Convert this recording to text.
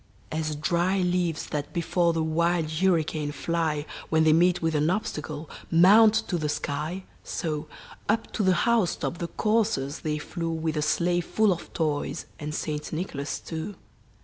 As dry leaves that before the wild hurricane fly, When they meet with an obstacle, mount to the sky, So, up to the housetop the coursers they flew, With the sleigh full of toys, and St. Nicholas too.